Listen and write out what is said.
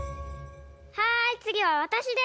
はいつぎはわたしです。